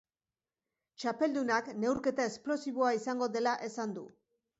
Txapeldunak neurketa esplosiboa izango dela esan du.